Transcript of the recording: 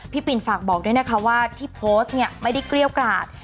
ปินฝากบอกด้วยนะคะว่าที่โพสต์เนี่ยไม่ได้เกรี้ยวกราด